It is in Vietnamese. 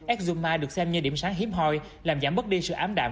exuma được xem như điểm sáng hiếm hồi làm giảm bất đi sự ám đạm